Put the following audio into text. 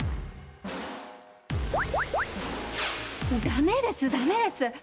ダメですダメです！